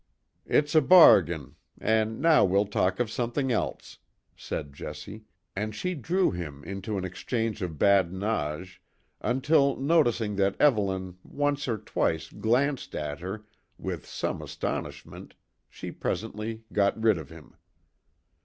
"It's a bargain, and now we'll talk of something else," said Jessie, and she drew him into an exchange of badinage, until noticing that Evelyn once or twice glanced at her with some astonishment she presently got rid of him.